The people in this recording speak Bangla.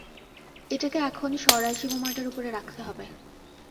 এটাকে এখন সরাসি বোমাটার উপরে রাখতে হবে।